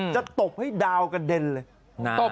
ตบให้ดาวกระเด็นเลยนะ